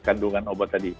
kandungan obat tadi